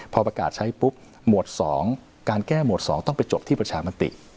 พอประกาศใช้ปุ๊บหมวด๒การแก้หมวด๒ต้องไปจบที่ประชามติ